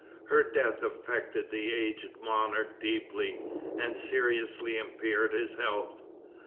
Her death affected the aged monarch deeply, and seriously impaired his health.